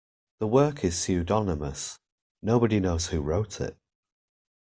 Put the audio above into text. The work is pseudonymous: nobody knows who wrote it.